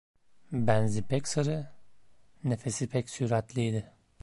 Benzi pek sarı, nefesi pek süratliydi.